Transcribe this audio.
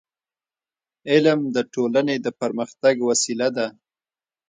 علم د ټولنې د پرمختګ وسیله ده.